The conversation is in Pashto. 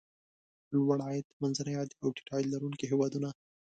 لوړ عاید، منځني عاید او ټیټ عاید لرونکي هېوادونه.